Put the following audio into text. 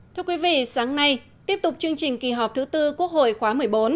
thưa quý vị sáng nay tiếp tục chương trình kỳ họp thứ tư quốc hội khóa một mươi bốn